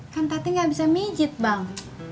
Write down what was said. kan tadi gak bisa mijit bang